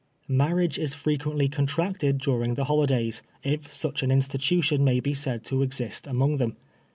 Marriage is frequently contracted during the holi days, if such an institution may be said to exist among them.